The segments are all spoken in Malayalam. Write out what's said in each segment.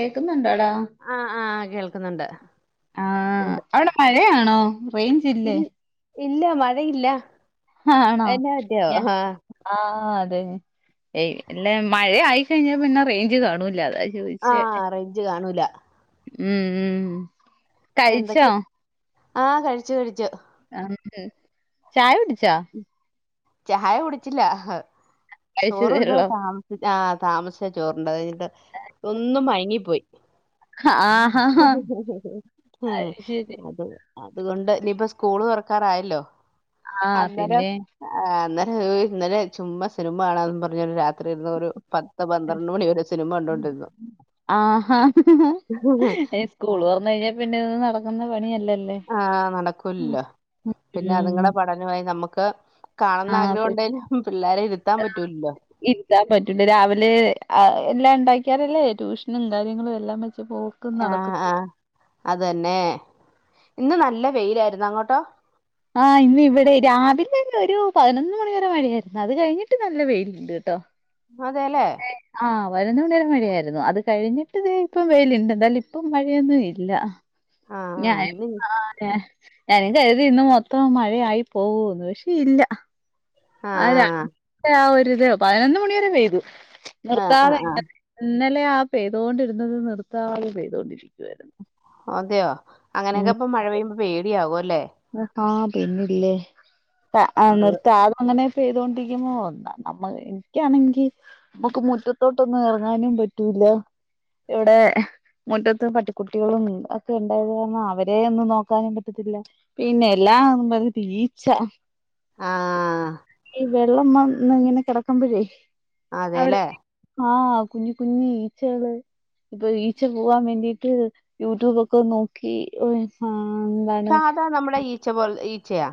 കേക്കുന്നുണ്ടോടാ ആഹ് ആഹ് കേൾക്കുന്നുണ്ട് ആഹ് എന്ത് അവിടെ മഴയാണോ റേഞ്ച് ഇ ഇല്ലേ ഇല്ല മഴയില്ല ആണോ എന്നാ പറ്റിയോ യ ആഹ് ആഹ് അതെ ഏയ് അല്ല മഴ ആയിക്കഴിഞ്ഞ പിന്നെ റേഞ്ച് കാണൂല്ല അതാ ചോദിച്ചേ ആഹ് റേഞ്ച് കാണൂല ഉം ഉം കഴിച്ചോ എന്തൊക്കെ ആഹ് കഴിച്ചു കഴിച്ചു ആഹ് ചായ കുടിച്ചാേ ചായ കുടിച്ചില്ല കഴിച്ചതേ ചോറുണ്ടത് ഉള്ളോ താമ ആഹ് താമസിച്ച ചോറണ്ട്ത് അത് കഴിഞ്ഞിട്ട് ഒന്നു മയങ്ങിപ്പോയി. ആഹാ അത് ശരി അതെ അതുകൊണ്ട് ഇനിയിപ്പ സ്കൂള് തുറക്കാറായല്ലോ ആഹ് അന്നേരം പിന്നെ ആഹ് അന്നരം ഇന്നലെ ചുമ്മാ സിനിമ കാണന്ന് പറഞ്ഞൊരു രാ ത്രി ഇരുന്നൊരു പത്ത് പന്ത്രണ്ട് മണി വരെ സിനിമ കണ്ടൊണ്ടിരുന്നു. ഈ സ്കൂള് തൊറ പിന്ന നിന്ന് നടക്കുന്ന പണിയല്ല ആഹ നടക്ക, ല്ലോ പിന്നെ ഉം അതുങ്ങളുടെ പട നമുക്ക് കാണുന്ന ആഗ്രഹം ആഹ് ഉണ്ടായലും പിള്ളോരെ ഇരുത്താൻ പറ്റൂലല്ലോ ഇരിത്താൻ പറ്റല രാവിലെ എല്ലാം ഉണ്ടാക്കിയാറല്ലേ ട്യൂഷനും കാര്യങ്ങളും എല്ലാം വെച്ച് പോവും ആഹ ആഹ അതന്നെ ഇന്ന് നല്ല വെയിലായിരുന്നു അങ്ങോട്ടോ ആഹ ഇന്ന ഇവിടെ രാവിലെ തന്നെ ഒരു പതിനൊന്ന് മണി വരെ മഴയായിരുന്നു അത് കഴിഞ്ഞിട്ട് നല്ല വെ യില് ണ്ട് ട്ടോ അതെല്ലേ ആഹ് പതിനൊന്നു മണിവരെ മഴയായിരുന്നു അത് കഴിഞ്ഞിട്ട് ഇപ്പം വെയി ൽ ഇണ്ട് എന്താലും ഇപ്പംമഴ യൊന്നും ഇല്ല ആഹ് ഞായ ഇന്ന് ആ [unintelligible] ഞാനും ക [unintelligible] രുതി ഇന്ന് മൊത്തം മഴയായി പോകന്ന് പക്ഷെ ഇല്ല ആഹ് ആ ഒരിത് പതിനൊന്ന മണിയരെ പെയ്തു ആഹ് ആഹ് നിർത്താതെ ആഹ് ആഹ് ഇ ന്നലെ ആ പെയ്തൊണ്ടിരുന്നത് നിർത്ത തെ പെയ്തൊണ്ടിരിക്കുവായിരുന്നു അതെയോ അങ്ങനൊക്കെപ്പൊ മഴ പെയ്യുമ്പോ പേടിയാവോ അല്ലേ ആഹ പിന്നില്ലേ എന്തോ നിർത്തതെ അങ്ങനെ പൈ തൊണ്ടിരിക്കുമ്പോ [unintelligible] എനിക്കാണെങ്കിൽ നമുക്ക് മുറ്റത്തോട്ടൊന്നും ഇറങ്ങാനും പറ്റൂല്ല എവിടെ മുറ്റത്ത് പട്ടിക്കുട്ടികളും ഒക്കെ ഉണ്ടായത് കാര ണംഅവരെ ഒന്നും നോക്കാനും പറ്റത്തില്ല പിന്നെ എല്ലാ പറിഈച്ച ആഹ വെള്ളം വ ന്ന് ഇങ്ങനെ കിടക്ക്മ്പ ഴേ അതെല്ലേ ആഹ കുഞ്ഞി കുഞ്ഞി ഈച്ചകള് ഇപ്പൊ ഈച്ച പോവാൻ വേണ്ടീട്ട് യൂട്യൂബൊക്കെ നോക്കി എന്താണ് സാധാ നമ്മുടെ ഈച്ച പോലെത്തെ ഈച്ചയാ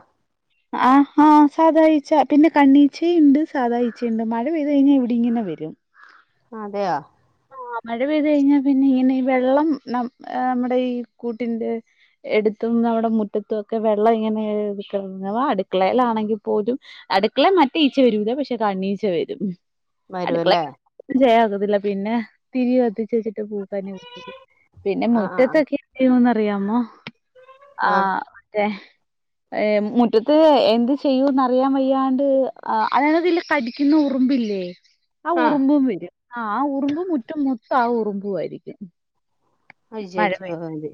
ആഹ ആ് ഹ സാധാഈ ച്ച പിന്നെ കണ്ണീഴച്ചയുണ്ട് സാധാ ഈ ച്ചഴുണ്ട് മഴ പെയ്തു കഴിഞ്ഞാൽ ഇവിടെ ഇങ്ങനെ വരും അതെയോ ആ മഴ പെയ്ത് കഴിഞ്ഞാ പിന്നെ ഇങ്ങനെ ഈ വെള്ളം ന നമ്മുടെ ഈ കൂട്ടിന്റെ എടുത്തും നമ്മുടെ മുറ്റത്തും ഒക്കെ വെള്ളം ഇങ്ങനെ എക്ക അടുക്കളയിലാണെങ്കിൽ പോലും അടുക്കള മറ്റേഈച്ച വരൂലപക്ഷെ കണ്ണീച്ച വരും വരുവല്ലേ അടുക്കളയിൽ മറ്റെ ഈച്ച വരത്തില്ലക് പിന്നെ തികത്തിച്ച് [unintelligible] പിന്നെ ആഹ് ആഹ് മുറ്റത്തൊക്കെ എന്ത്ചെയ്യോന്ന് അറിയാമോ ആഹ് ആഹ മറ്റെ ഏഹ മുറ്റത്ത് എന്ത് ചെയ്യൂന്നറിയാൻ വയ്യാണ്ട് അതാണ്തില് കടിക്കുന്ന ഉറുമ്പില്ലേ ആ ആഹ് ആഹ് ഉറുമ്പും വരും ആ ഹആ ഉറുമ്പും മുറ്റം മൊത്തം ആ ഉറുമ്പു ആയിരിക്കും മഴ അയ്യയ്യോ പെയ അതെ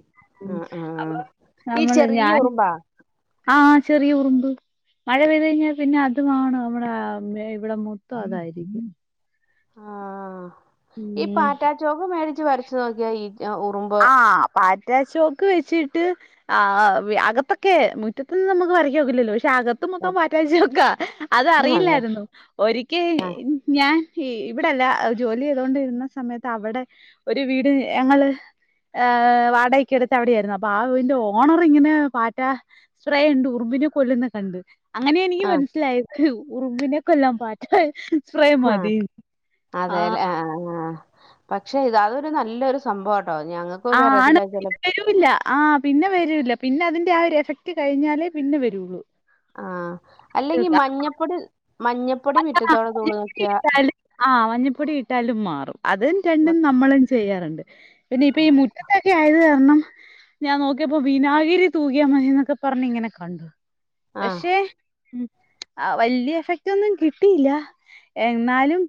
ആഹ് അപ്പൊ ആഹ് ഈ നമ്മള് ചെറിയ ഞാൻ ഉറുമ്പാ ആഹ ചെറിയ ഉറുമ്പ് മഴ പെയ്തു കഴിഞ്ഞാൽ പിന്നെ അതുമാണ് നമ്മടെ ഇവിടെ മൊത്തം അതായിരിക്കും ആഹ ഈ ഉം പാറ്റാച്ചോക്ക് മേടിച്ച് വരച്ച് നോക്കിയാ ഈ ഉറുമ്പ് ആഹ പാറ്റാച്ചോക്ക് വെച്ചിട്ട് ആഹ് ആഹ് അകത്തൊക്കെ മുറ്റത്ത് നിന്ന് നമുക്ക് വരയ്ക്കാൻ ഒക്കില്ലല്ലോ പക്ഷെ അക ത്ത് മൊത്തം [unintelligible] അത് അതെ അറിയില്ലായിരുന്നു ഒരിക്കെ ആ ഞാൻ ഇ ഇവിടെല്ല ജോലി ചെയ്തൊണ്ടിരുന്ന സമയത്ത് അവടെ ഒരു വീട് ഞങ്ങള് ഏഹ് വാടകയ്ക്ക് എടുത്ത് അവിടെയായിരുന്നു. അപ്പൊ ആ വീടിന്റെ ഓണർ ഇങ്ങനെ പാറ്റാ സ്പ്രേയോണ്ട് ഉറുമ്പിനെ കൊല്ലുന്ന കണ്ട്. അങ്ങനെയാ എനിക്ക് ആ മനസ്സിലായത് ഉറുമ്പിനെ കൊല്ലാം പാറ്റേള് ആഹ്. അതെല്ല ആഹ് ആഹ്. പക്ഷെ ഇത അതൊരു നല്ലൊരു സംഭവാട്ടോ ഞങ്ങ ആണ് പിന്നെ വെരൂല്ല. ആഹ് പിന്നെ വരൂല്ല പിന്നെ അതിന്റെ ആ ഒരു എഫക്ട് കഴിഞ്ഞാലേ പിന്നെ വരൂള്ളു. ആഹ് അല്ലെങ്കി മഞ്ഞപ്പൊടി മഞ്ഞപ്പൊടി ആഹ് മുറ്റത്തോടെ തൂളി മഞ്ഞപ്പൊടി നോക്കിയാ. ഇട്ടാലും ആഹ് മഞ്ഞപ്പൊടി ഇട്ടാലും മാറും അതും മ- രണ്ടും നമ്മളും ചെയ്യാറുണ്ട്. പിന്നെ ഇപ്പ ഈ മുറ്റ ത്തെക്കെ ആയത് കാരണം, ഞാൻ നോക്കിയപ്പോ വിനാഗിരി തൂകിയാ മതിന്നൊക്കെ പറഞ്ഞ് ഇങ്ങനെ കണ്ടു. ആ പക്ഷേ ഉം ആഹ് വല്യ എഫക്റ്റ് ഒന്നും കിട്ടിയില്ല. എന്നാലും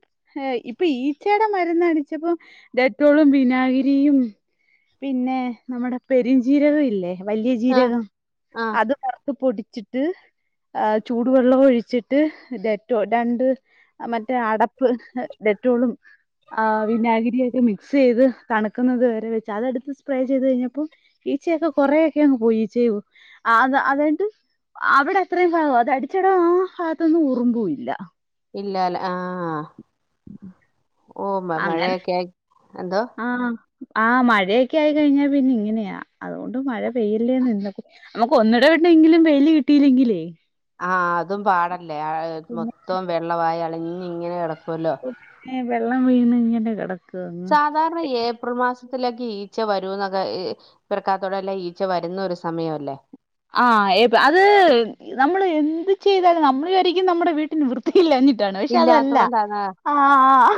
ഇപ്പൊ ഈച്ചേടെ മര്ന്ന് അടിച്ചപ്പം ഡെറ്റോളും വിനാഗിരിയും പിന്നെ നമ്മുടെ പെരിഞ്ചീരകം ഇല്ലേ. വല്യ ആ ജീരകം ആ അത് വറത്ത് പൊടി ച്ചിട്ട് ആഹ് ചൂടുവെള്ളം ഒഴിച്ചിട്ട്. ഡെറ്റോൾ രണ്ട് മറ്റേ അട പ്പ് ഡെറ്റോളും ആഹ് വിനാഗിരിയൊക്കെ മിക്സ് സെയ്ത് തണുക്കുന്നത് വരെ വെച്ച്. അതെടുത്ത് സ്പ്രേ ചെയ്ത് കഴിഞ്ഞപ്പോ ഈച്ചയൊക്കെ കൊറേയൊക്കെ അങ്ങ് പോയി ഈച്ചയും അ അതായത്. അവിടെ അത്രയും ഭാഗം അത് അടിച്ചിടം ആ ഭാഗത്തൊന്നും ഉറുമ്പൂ ഇല്ല. ഇല്ലാല്ലെ ആഹ്. ഓഹ് മ അങ്ങനെ മഴയൊക്കെ ആയി, എന്തോ? ആഹ്. ആഹ് മഴയൊക്കെ ആയി കഴിഞ്ഞാ പിന്നെ ഇങ്ങനെയാ. അതുകൊണ്ട് മഴ പെയ്യല്ലേന്നിന്ന്. നമുക്ക് ഒന്നിട വിട്ടെങ്കിലും വെയില് കിട്ടിയില്ലെങ്കിലേ. ആഹ് അതും പാടല്ലേ പിന്നെ മൊത്തം വെള്ളവായി അളിഞ്ഞ് ഇങ്ങനെ കിടക്കുവല്ലോ. ഏഹ് വെള്ളം വീണ് ഇങ്ങനെ കെട സാധാരണ ഏ പ്രിൽ മാസത്തിലേക്കെ ഈച്ച വരൂ എന്നൊക്കെ പെരയ്ക്കകത്തൂടെ എല്ലാം ഈച്ച വരുന്ന ഒരു സമയവല്ലെ. ആഹ് എത് അത് നമ്മള് എന്ത് ചെയ്താലും നമ്മള് വിചാരിക്കും നമ്മുടെ വീട്ടിൽ വൃ ത്തിയില്ലാഞ്ഞിട്ട് ആണ് എന്ന്. പക്ഷെ ഇല്ലാത്ത അതല്ല കൊണ്ടാണ് ആഹ് ആഹ്.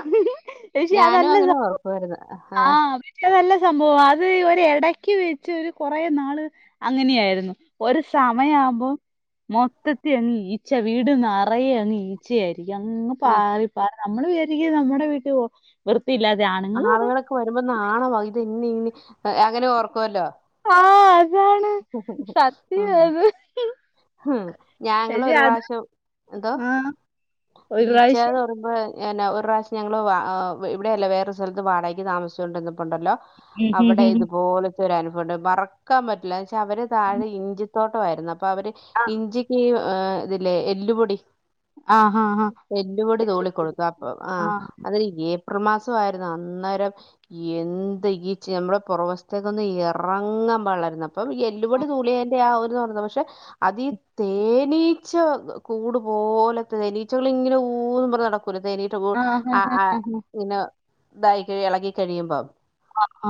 പക്ഷെ ഞാനും അതല്ല അങ്ങനെ സംഭവം ഓർക്കുവായിരുന്നു ആ ആഹ്. പക്ഷെ അതല്ല സംഭവം അത് ഒര് എടക്ക് വെച്ച് ഒരു കൊറെ നാള് അങ്ങനെയായിരുന്നു. ഒരു സമയാവുമ്പോ, മൊത്തത്തി അങ്ങ് ഈച്ച വീട് നിറയെ അങ്ങ് ഈച്ചയായിരിക്കും അങ്ങ് ഈ പാറി അതാണ് നമ്മള് വിചാരിക്കും നമ്മുടെ വീട്ടി വൃത്തിയില്ലാതെ ആണുങ്ങളും അതെ. ക്കെ വരുമ്പം നാണവാ ഇത് എങ്നെ ഇങ്നി അങ്ങനെ ഓർക്കുവല്ലോ. ആഹ് അ ത് സത്യാ അത്. ഉം. പക്ഷെ ഞാങ്ങളൊരു അത് പ്രാവശ്യം എന്തോ ആഹ്. ഒരു ഈച്ചാന്ന് പ്രാവശ്യം പറ [unintelligible] എന്നാ ഒരു പ്രാവശ്യം ഞങ്ങൾ വാ ഇവിടെയല്ലാ വേറൊരു സ്ഥലത്ത് വാടകയ്ക്ക് താമസിച്ചോണ്ടിരുന്നപ്പോ ഉണ്ടല്ലോ. ഉം ഹ് അവിടെ ഹ് ഹ് ഇതുപോലത്തെ ഒരു അനുഭവം ഉണ്ട്. മറക്കാൻ പ ഇല്ലച്ച അവര് താഴെ ഇഞ്ചിത്തോട്ടവായിരുന്നു അപ്പൊ അവര് ഇഞ്ചിക്ക് ഏ. ഇതില്ലേ എല്ലുപൊടി. ആഹ് ആഹ് ആഹ് എല്ല്പൊടി തൂളി കൊടുക്ക അപ്പൊ ആഹ് അതിന് യേ പ്രിൽ മാസം ആയിരുന്നു അന്നരം. എന്ത് ഈച്ച് നമ്മുടെ കൊറവ് വശത്തേക്ക് ഒന്ന് ഇറങ്ങാൻ പാടില്ലായിരുന്നു.. ഇപ്പം എല്ലുപൊടി തൂളിയേന്റെ ആ ഒരു ഇതാ [unintelligible] പക്ഷെ അതീ തേനീ ച്ച കൂടു പോലത്തത് തേനീച്ചകളിങ്ങനെ ഊന്നും പറന്ന് നടക്കൂല തേനീ റ്റു കൂട് ആഹ് അ ആഹ് ആ ആഹ് ഇങ്ങന്നെ. ഇതായി കഴി എളകി കഴിയുമ്പം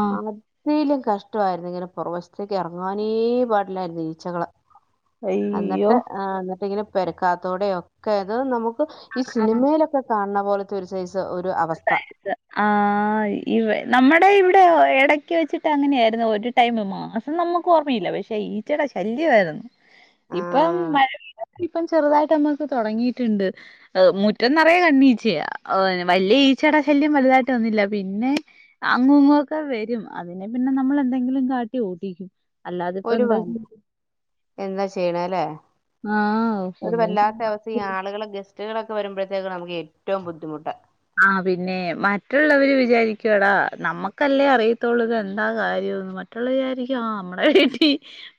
ആഹ് അതിലും കഷ്ടവായിരുന്നു ഇങ്ങനെ പുറക് വശ ത്തെക്ക് ഇറങ്ങാനേ പാടില്ലായിരുന്നു ഈച്ചകള് അയ്യോ. എന്നിട്ട് ആ എന്നിട്ടിങ്ങനെ. പെരക്കാത്തോടെ ഒക്കെ അത് നമുക്ക് ഈ സിനിമയിലൊ ക്കെ കാൺണ പോലത്തെ ഒരു സൈസ് ഒരു അവസ്ഥ. ത് ആഹ് ഇവെ നമ്മുടെ ഇവിടെ എടക്ക് വെച്ചിട്ട് അങ്ങനെയായിരുന്നു ഒരു. ടൈമ് മാസം നമുക്ക് ഓമ്മയില്ല പക്ഷെ ഈച്ചടെ ശല്യവായിരുന്നു. ഇപ്പം ആഹ് വരവില്ല. ഇപ്പം ചെറുതായിട്ടമ്മക്ക് തൊടങ്ങീട്ട്ണ്ട് എ മുറ്റം നിറയെ കണ്ണീച്ചയ. വല്ല്യ ഈച്ചട ശല്യം വലുതായിട്ടൊന്നില്ല പിന്നെ. അങ്ങുങ്ങൊക്കെ വരും അതിനെ പിന്നെ നമ്മള് എന്തെങ്കിലും കാട്ടി ഓടിക്കും. അല്ലാതെ ഒരു വ ഇപ്പന്താ ചെ എന്താ ചെയ്യണ ലേ ആഹ് ഒരു ഒന്നും ചെയ്യാൻ വല്ലാത്ത അവസ്ഥ ഈ പറ്റില്ല ആളുകള് ഗ സ്റ്റുകളൊക്കെ വരുമ്പഴത്തേക്ക് നമുക്ക് ഏറ്റവും ബദ്ധിമുട്ട്. ആഹ് പിന്നെ മറ്റുള്ളവര് വിചാരിക്കു എടാ നമ്മുക്കല്ലേ അറിയത്തുള്ളത് എന്താ കാര്യംന്ന്. മറ്റുള്ളാ വിചാരിക്കും ആ നമ്മടെ വീട്ടി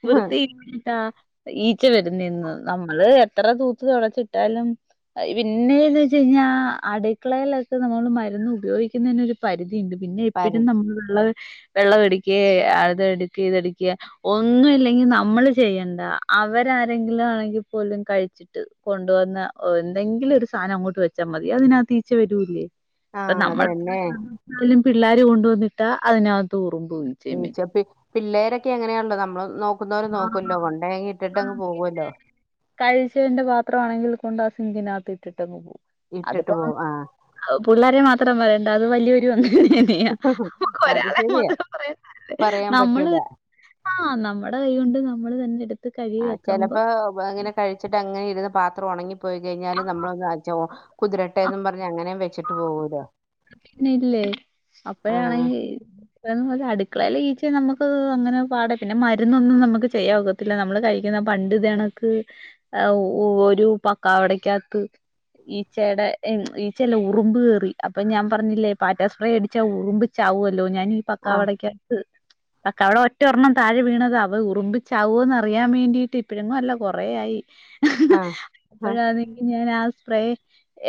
വൃത്തി ട്ടാ ഈച്ച വരുന്നെന്ന് നമ്മള് എത്ര തൂത്ത് തുടച്ചിട്ടാലും. അയ് പിന്നെന്ന് വെച്ചയ്ഞ്ഞാ അട ക്കളയിലൊക്കെ നമ്മള് മരുന്ന് ഉപയോഗിക്കുന്നതിനരു പരിധിണ്ട് പിന്നെ പരു എപ്പഴും നമ്മള് വെള്ള വെള്ളവെടിക്കെ അതടുക്കി ഇതെടുക്ക്യ. ഒന്നു ഇല്ലെങ്കി നമ്മള് ചെയ്യണ്ട അവരാരെങ്കിലു ആണെങ്കി പോലും കഴിച്ചു. ട്ട് കൊണ്ടുവന്ന ഒ എന്തെങ്കിലും ഒരു സാനം അങ്ങോട്ട് വെച്ചാ മതി അതിനകത്തി ച വരുല്ലേ അപൊ ആഹ് അത് നമ്മ തന്നെ പിള്ളേര് കൊണ്ടുവന്നിട്ടാ അതിന [unintelligible] ഈച്ച പി പിള്ളേരൊക്കെ എങ്ങനെയാൺലോ നമ്മള് നോ ക്കുന്നവര് നോക്ക്വല്ലോ കൊണ്ടെയങ്ങ് ഇട്ടിട്ടങ് പോക്വല്ലോ. കഴിച്ചതിന്റെ പാത്രമാണെങ്കിൽ കൊണ്ട ആ സിങ്കിനകത്ത് ഇട്ടിട്ടങ് പോവും ഇട്ടിട്ട് അത്പ്പോ. പോകും ആഹ് അത് പുള്ളാരെ മാത്രം പറയണ്ട അത് വല്ല്യവരു അങ്ങനെന്നെ. [unintelligible] അത് ഒരാളെ ശരിയാ മാത്രം പറയണ്ട പറയാൻ നമ്മള്. പറ്റൂല ആഹ് നമ്മടെ കൈ കൊണ്ട് നമ്മള് തന്നെ എടു ആഹ് ചെലപ്പോ പ ഇങ്ങനെ കഴിച്ചിട്ടങ്ങനെ ഇരുന്ന് പാത്രം ഉണങ്ങിപ്പോയി കഴിഞ്ഞാലും നമ്മളൊന്ന് അജ്ജ കുതിരട്ടേന്നും പറഞ്ഞങ്ങനേം വെച്ചിട്ട് പോകൂലെ. പിന്നെ ഇല്ലേ അപ്പഴാണെങ്കി. [unintelligible] അടുക്കളേല് ഈച്ച നമുക്ക് അങ്ങനെ പാട പിന്നെ മരുന്നൊന്നും നമുക്ക് ചെയ്യാവ ത്തില്ല നമ്മള് കഴിക്കുന്ന പണ്ട് ഇതേ കണക്ക് എ ഒ ഒരു പക്കവടക്ക്യകത്ത്. ഈച്ചേടെ എ ഈച്ചല്ല ഉറുമ്പ് കേറി അപ്പൊ ഞാൻ. പറഞ്ഞില്ലേ പാറ്റ സ്പ്രേ അടിച്ചാ ഉറുമ്പ് ചാവ്വല്ലോ ഞാൻ ഈ ആ പക്കാവടക്ക്യകത്ത്. പക്കാവട ഒറ്റ ഒരണ്ണം താഴെ വീണത അത് ഉറുമ്പിച്ചാവോന്ന് അറിയാൻ വേണ്ടീട്ട് ഇപ്പഴെങ്ങും അല്ല കൊറേ ആയി. ആ ആ ഇപ്പഴാന്നെങ്കി ഞാൻ ആ സ്പ്രേ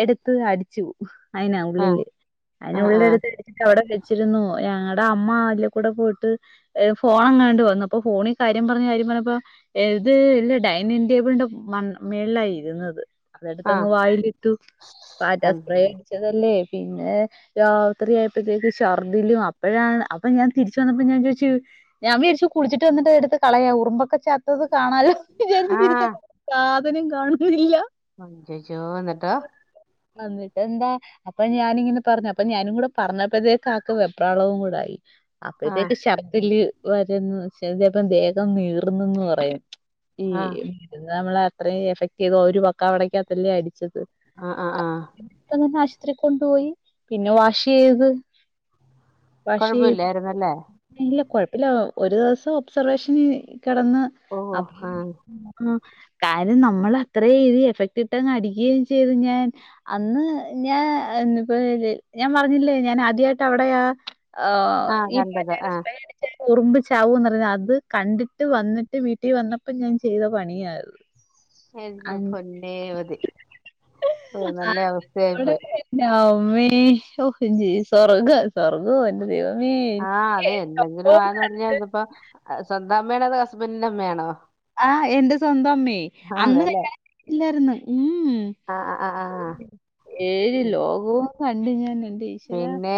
എടുത്ത് അടിച്ചു. അയ്ന ആ ഉള്ളില് ആ അതിനെ ഉള്ളടുത്തടിച്ചിട്ട് അവിടെ വെച്ചിരുന്നു ഞങ്ങടെ അമ്മ അതികൂടെ പോയിട്ട് ഏഹ് ഫോണങ്ങാണ്ട് വന്നപ്പൊ ഫോണി കാര്യം പർഞ്ഞ് കാര്യം പർഞ്ഞപ്പോ ഏത് ഇല്ല ഡൈനിങ് ടേബിൾന്റെ മൺ മേൾലാ ഇര്ന്നത്. ആ ആ അതട്ത്തങ്ങ് വായിലിട്ടു പാറ്റാ സ്പ്രേ അം- അടിച്ചതല്ലേ പിന്നെ രാത്രിയായപ്പോഴത്തേക്ക് ഛർദ്ദിലും അപ്പോഴാണ് അപ്പൊ ഞാൻ തിരിച്ച വന്നപ്പോ ഞാൻ ചോയ്ച്ചു? ഞാൻ വിരിചു കുടിച്ചിട്ടന്നിടു കളയാ ഉറുമ്പോക്കെ ച [unintelligible] കാണാലോ വിചാര്ച്ച് ആ തിരിച്ച വന്നപ്പോ സാധനം കാണനില്ല. അയ്യയ്യോ ഇങ്ങട്ടോ? അന്നിട്ട് എന്താ അപ്പൊ ഞാനിങ്ങനെ പർഞ്ഞു അപ്പൊ ഞാനും കൂടെ പറഞ്ഞപ്പോഴത്തേക്ക് ഒക്കെ വെപ്രാളവും കൂടയി ആ അപ്പഴത്തേക്ക് ശർദില് വരന്ന് ദേഹം നീർന്നന്ന് പറയും ഈ ആ നമ്മളെ അത്രയും എഫക്ടയ്തു ഒരു പക്കവിടക്കാത്തല്ലേ അടിച്ചത്. ആ ആ ആ അപതനെ ആശ്പത്രി കൊണ്ടുപോയി പിന്നെ വാഷ് ചെയ്ത്. വാഷെയ്ത് കുഴപ്പമില്ലായിരുന്നല്ലേ ഇല്ല കൊഴപ്പല്ല ഒരു ദിവസം ഒബ്സർവേഷന് കിടന്ന് ഓ ആ [inaudible] ആഹ് കാര്യം നമ്മള് അത്രഇതി എഫക്ട് ഇട്ടങ് അടിക്കയും ചെയ്തു ഞാൻ. അന്ന് ഞാ എന്ന്പ്പോ ഞാൻ പർഞ്ഞില്ലേ ഞാൻ ആദ്യായിട്ട അവിടെ ആഹ് ആ ഈ കണ്ടത് പാറ്റെടെ ആ സ്പ്രേ ഉറുമ്പ്ച്ചാവുംന്ന് അത് കണ്ടിട്ട് വന്നിട്ട് വീട്ടി വന്നപ്പോ ഞാൻ ചെയ്ത പണിയ എന്റെ പൊന്നേവതി ഓ നല്ല അവസ്ഥയായി അന്നേരോടെ പോയി. എന്റെ അമ്മേ ഓ ജി സ്വർഗ സ്വർ ഓ എന്റെ ദൈവമേ' ' [inaudible] ' [unintelligible] സ്വന്തം അമ്മേണോ അതോ ഹസ്ബന്റിന്റെ അമ്മേണോ? ആഹ് എന്റെ സ്വന്തം അമ്മേ അന്ന് അതെല്ലേ കല്ല്യാണം കഴിഞ്ഞില്ലായിരുന്നു ഉം ഉം.. ആഹ് ആഹ്. ഏഴ് ലോകവും കണ്ട് ഞാൻ എന്റെ ഈശ്വ പിന്നെ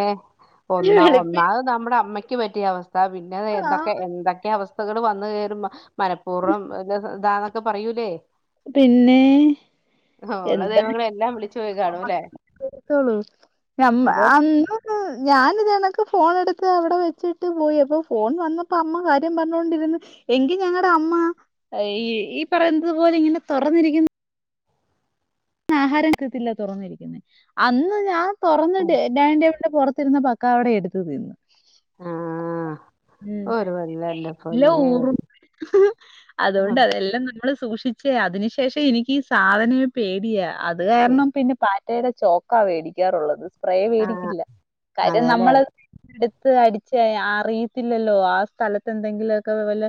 ഒന്നാ ഒന്നാ നമ്മടെ അമ്മയ്ക്ക് പറ്റിയ അവസ്ഥ പിന്നെ എന്തൊക്കെ ആഹ് എന്തൊക്കെ അവസ്ഥകൾ വന്ന് കഴറുമ്പോ മനപ്പൂർവം താ ഇതാന്നൊക്കെ പറയൂലേ? പിന്നെ ഓഹ് ഉള്ള ദൈവങ്ങളെ എല്ലാം വിളിച്ചു പോയി കാണുലേ? ഉം നമ്മ അന്ന് ഞാന് തേനക്ക് ഫോണ് എടുത്ത് അവിടെ വെച്ചിട്ട് പോയി അപ്പോ ഫോൺ വന്നപ്പോ അമ്മ കാര്യം പറഞ്ഞോണ്ടിരിന്ന് എങ്കി ഞങ്ങടെ അമ്മ ഈ ഈ പറയുന്നത് പോലെ ഇങ്ങനെ തുറന്നിരിക്ക്യു ആഹാരം കിട്ടില്ല തുറന്നിരിക്ക്യുന്നെ അന്ന് ഞാൻ തുറന്ന് ടെ ഡൈനിങ് ടേബിളിന്റെ പുറത്തിരുന്ന് ഭ ക്കവാടെ എട്ത്ത് തിന്ന്. ആ ഉം ഒരു കൊല്ലം എന്റെ ല്ലേ പൊന്നെ ഉർ ഒരു അതുകൊണ്ട് ഓക്കേ. അതെല്ലാം നമ്മള് സൂക്ഷിച്ചേ അതിന് ശേഷം എനിക്ക് ഈ സാധന്നെ പേടിയാ അത് കാരണം പിന്നെ പാറ്റേടെ ചോക്കാ വേടിക്കാറുള്ളത് സ്പ്രേ ആ വേടിക്കില്ല കാര്യം അതെല്ലേ നമ്മള് എട്ത്ത് അടിച്ച് അറിയത്തില്ലല്ലോ ആ സ്ഥലത്ത് എന്തെങ്കിലൊക്കെ വല്ല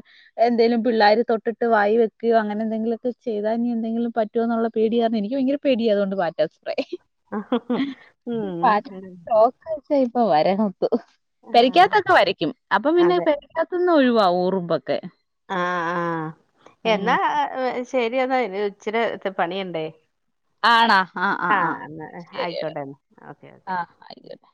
എന്തെലും പിള്ളേര് തൊട്ടിട്ട് വായി വെക്കയോ അങ്ങനെ എന്തെങ്കിലൊക്കെ ചെയ്താ ഇനി എന്തെങ്കിലും പറ്റോന്നുള്ള പേടിയ യിരുന്നു എനിക്ക്. എനിക്ക് ഭയങ്കര പേടിയാ അതുകൊണ്ട് പാറ്റാ സ്പ്ര ഉം, പാ ഉം. കൊറച്ചായി ഇപ്പോ വരവപ്പ് ആ, പെരക്കാത്തൊക്കെ വരയ്ക്കും അപ്പം പിന്നേ അതെ പെ റ്റത്തുന്ന് ഒഴിവാവും ഉറുമ്പൊക്കെ. ആഹ് ആഹ് എന്നാ ഉം. ശെരി എന്നാ ഇനി ഇച്ചിരി പണിയുണ്ടേ ആഹ് എന്നാ ശരി. ആയിക്കോട്ടന്നാ ഓക്കെ ഓക്കെ ആഹ് ആയിക്കോട്ടെ